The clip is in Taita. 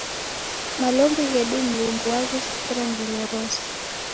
Malombi ghedu Mlungu waghisikira ngelo rose.